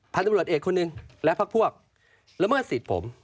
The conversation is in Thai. พันธุรกิจเอกคนหนึ่งและพวกระเมิดสิทธิ์ผม